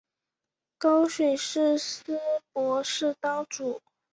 高水寺斯波氏当主。